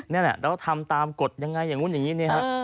นั่นแหละแล้วทำตามกฎอย่างไรอย่างนู้นอย่างนี้